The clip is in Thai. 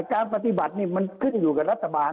การปฏิบัตินี่มันขึ้นอยู่กับรัฐบาล